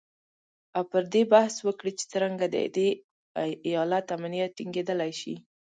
او پر دې بحث وکړي چې څرنګه د دې ایالت امنیت ټینګیدلی شي